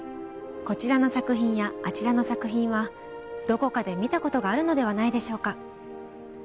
こちらの作品やあちらの作品はどこかで見たことがあるのではないでしょうか。